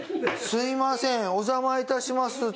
すみませんおじゃまいたします。